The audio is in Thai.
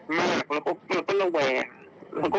คือแบบกลายเป็นว่ากลัวหมดเลย